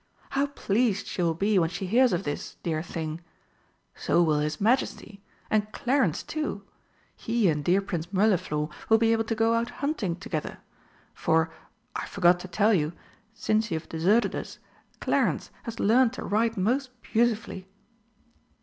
How pleased she will be when she hears of this, dear thing! So will his Majesty and Clarence too! He and dear Prince Mirliflor will be able to go out hunting together. For I forgot to tell you since you have deserted us, Clarence has learnt to ride most beautifully!"